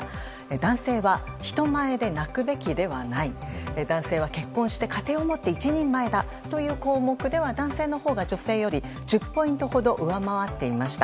男性は人前で泣くべきではない男性は結婚して家庭をもって一人前だという項目では男性のほうが女性より１０ポイントほど上回っていました。